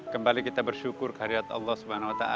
kembali kita bersyukur kehadirat allah swt